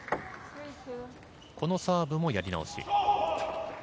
このサーブもやり直し。